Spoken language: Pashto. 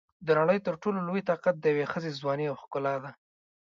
د نړۍ تر ټولو لوی طاقت د یوې ښځې ځواني او ښکلا ده.